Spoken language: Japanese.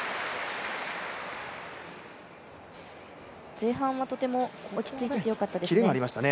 前半は、とても落ち着いていてよかったですね。